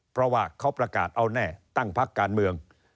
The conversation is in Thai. เพราะว่าเขาประกาศเอาแน่ตั้งพักการเมือง